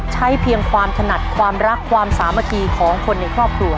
เพียงความถนัดความรักความสามัคคีของคนในครอบครัว